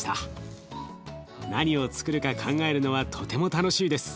何をつくるか考えるのはとても楽しいです。